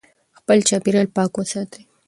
خپل چاپېریال پاک وساتئ.